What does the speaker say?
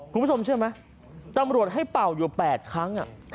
คุณผู้ชมเชื่อไหมตำรวจให้เป่าอยู่๘ครั้ง